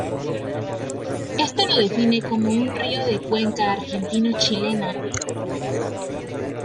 Esto lo define como un río de cuenca argentino-chilena.